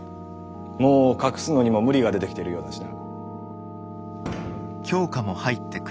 もう隠すのにも無理が出てきているようだしな。